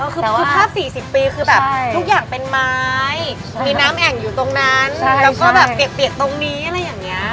คือภาพ๔๐ปีคือแบบทุกอย่างเป็นไม้มีน้ำแอ่งอยู่ตรงนั้นแล้วก็แบบเปียกตรงนี้อะไรอย่างนี้